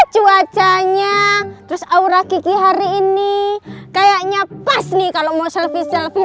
cuacanya terus aura gigi hari ini kayaknya pas nih kalau mau selfie selfie